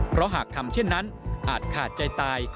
เพราะหากทำเช่นนั้นอาจขาดใจตาย